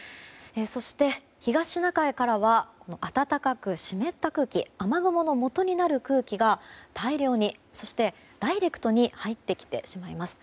そして東シナ海からは暖かく湿った空気雨雲のもとになる空気が大量にそして、ダイレクトに入ってきてしまいます。